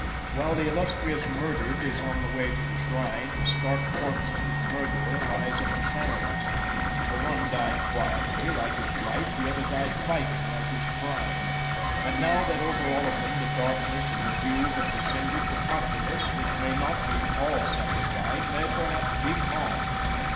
While the illustrious murdered is on the way to the shrine, the stark corpse of his murderer lies in the shambles. The one died quietly, like his life; the other died fighting, like his crime. And now that over all of them the darkness and the dew have descended, the populace, which may not be all satisfied, may perhaps be calmed.